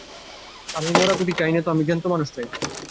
আমি মরা খুঁটি চাই নে তো, আমি জ্যান্ত গাছ চাই।